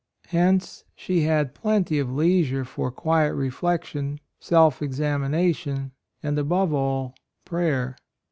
Hence she had plenty of leisure for quiet reflection, self examination, and above all prayer.